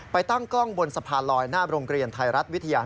ตั้งกล้องบนสะพานลอยหน้าโรงเรียนไทยรัฐวิทยา